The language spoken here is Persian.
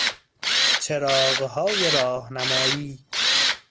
چراغهای راهنمایی